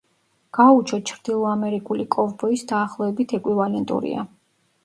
გაუჩო ჩრდილოამერიკული კოვბოის დაახლოებით ეკვივალენტურია.